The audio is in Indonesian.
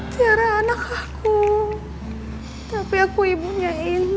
tiara anak aku tapi aku ibunya intan